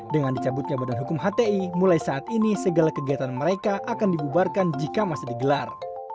dengan dicabutnya badan hukum hti mulai saat ini segala kegiatan mereka akan dibubarkan jika masih digelar